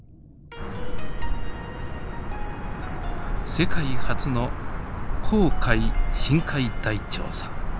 世界初の紅海深海大調査。